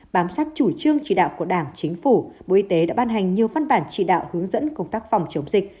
bám sát chủ trương chỉ đạo của đảng chính phủ bộ y tế đã ban hành nhiều văn bản chỉ đạo hướng dẫn công tác phòng chống dịch